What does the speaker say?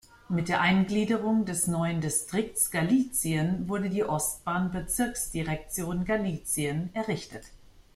Mit der Eingliederung des neuen Distrikts Galizien wurde die Ostbahn-Bezirksdirektion "Galizien" errichtet.